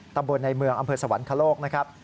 ตำบลในเมืองอำเภอสวรรคโลกนะครับ